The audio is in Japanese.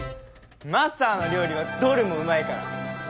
マスターの料理はどれもうまいから。